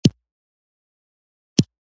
لیري مزلونه